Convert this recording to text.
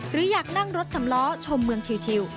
หรืออยากนั่งรถสำล้อชมเมืองชิว